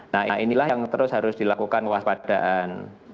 nah inilah yang terus harus dilakukan waspadaan